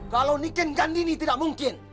kalau niken kandini tidak mungkin